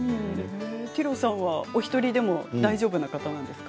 ティロさんはお一人でも大丈夫な方ですか？